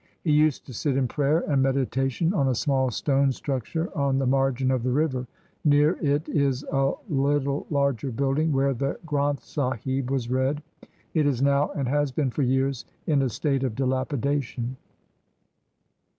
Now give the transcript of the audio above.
He used to sit in prayer and meditation on a small stone structure on the margin of the river. Near it is a little larger building Where the Granth Sahib was read. It is now and has been for years in a state of dilapidation.